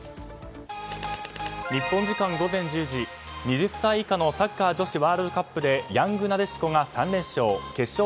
日本時間午前１０時２０歳以下のサッカー女子ワールドカップでヤングなでしこが３連勝。